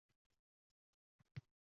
Ammo nimaga qaynonangga rostini aytmaysan